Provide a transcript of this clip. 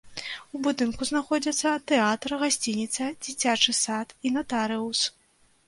У будынку знаходзяцца тэатр, гасцініца, дзіцячы сад і натарыус.